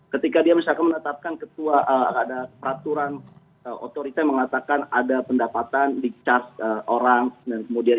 ketika dia misalkan menetapkan ketua ada peraturan otorita yang mengatakan ada pendapatan di charge orang dan kemudian